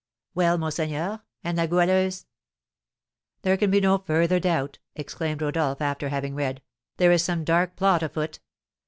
"Well, monseigneur, and La Goualeuse?" "There can be no further doubt," exclaimed Rodolph, after having read, "there is some dark plot afoot.